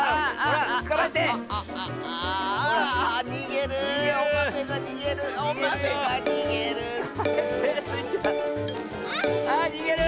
あにげる！